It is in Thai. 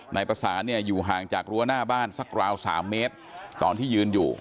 นายประสานเนี่ยอยู่ห่างจากรั้วหน้าบ้านสักราว๓เมตรตอนที่ยืนอยู่